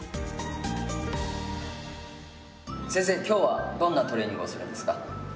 今日はどんなトレーニングをするんですか？